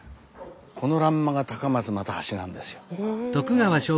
この欄間が高松又八なんですよ。